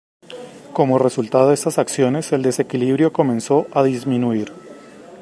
Como resultado de estas acciones, el desequilibrio comenzó a disminuir.